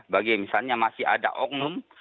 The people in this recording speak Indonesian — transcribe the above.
bagi misalnya masih ada oknum